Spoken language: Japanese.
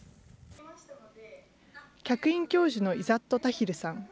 客員教授のイザット・タヒルさん。